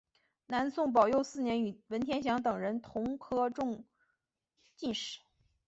南宋宝佑四年与文天祥等人同科中进士。